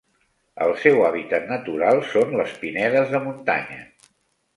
El seu hàbitat natural són les pinedes de muntanya.